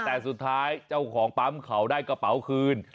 แต่สุดท้ายเจ้าของปั๊มเขาได้กระเป๋าคืน